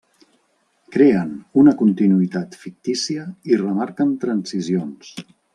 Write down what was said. Creen una continuïtat fictícia i remarquen transicions.